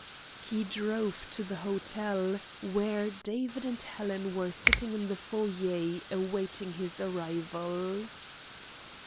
He drove to the hotel, where David and Helen were sitting in the foyer awaiting his arrival.